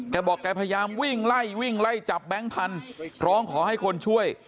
แกบอกแกพยายามวิ่งไล่วิ่งไล่จับแบงค์พันธุ์ร้องขอให้คนช่วย